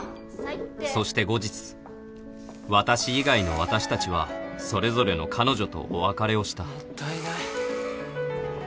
そして後日私以外の私たちはそれぞれの彼女とお別れをしたもったいない。